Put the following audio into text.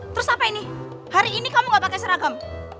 terus apa ini hari ini kamu gak pakai seragam